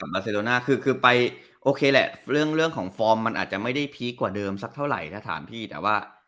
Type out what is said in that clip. บาเซโดน่าคือไปโอเคแหละเรื่องของฟอร์มมันอาจจะไม่ได้พีคกว่าเดิมสักเท่าไหร่ถ้าถามพี่แต่ว่า